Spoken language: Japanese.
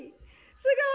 すごい！